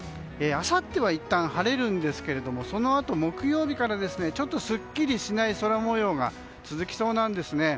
あさってはいったん、晴れるんですがそのあと木曜日からすっきりしない空模様が続きそうなんですね。